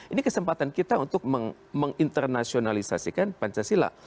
ini kesempatan kita untuk menginternasionalisasikan pancasila